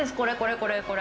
これこれ！